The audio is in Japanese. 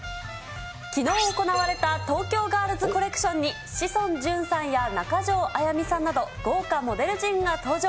きのう行われた東京ガールズコレクションに志尊淳さんや中条あやみさんなど、豪華モデル陣が登場。